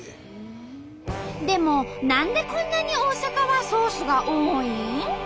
でも何でこんなに大阪はソースが多いん？